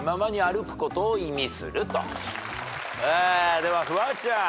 ではフワちゃん。